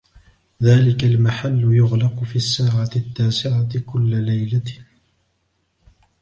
ذلك المحل يغلق في الساعة التاسعة كل ليلة.